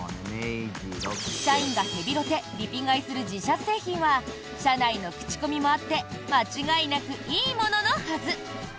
社員がヘビロテ・リピ買いする自社製品は社内の口コミもあって間違いなくいいもののはず！